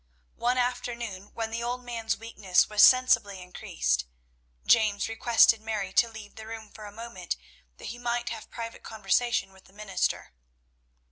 One afternoon when the old man's weakness was sensibly increased, James requested Mary to leave the room for a moment that he might have private conversation with the minister.